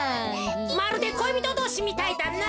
まるでこいびとどうしみたいだな。